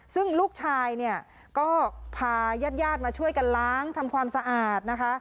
ซึ่งลูกชายเนี่ยก็พาญาติมาช่วยกันล้างทำความสะอาดนะคะ